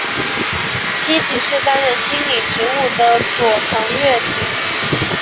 妻子是担任经理职务的佐藤悦子。